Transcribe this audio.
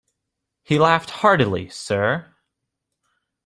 He laughed heartily, sir.